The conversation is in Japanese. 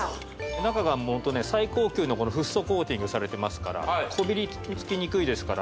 中が最高級のフッ素コーティングされてますからこびりつきにくいですから